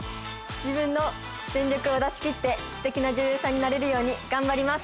自分の全力を出し切ってステキな女優さんになれるように頑張ります